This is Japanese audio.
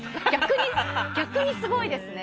逆にすごいですね。